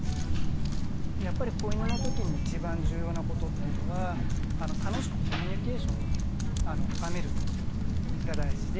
やっぱり子犬の時に一番重要なことっていうのは楽しくコミュニケーションを深めるっていうことが大事で。